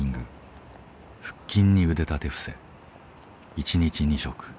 一日２食。